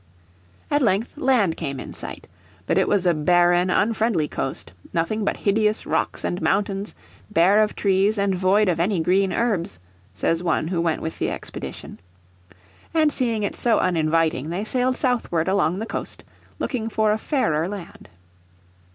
At length land came in sight. But it was a barren, unfriendly coast, "nothing but hideous rocks and mountains, bare of trees, and void of any green herbs," says one who went with the expedition. And seeing it so uninviting they sailed southward along the coast, looking for a fairer land.